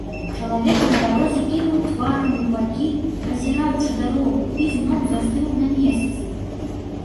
Чалавек на дарозе кінуў тварам у бакі, азіраючы дарогу, і зноў застыў на месцы.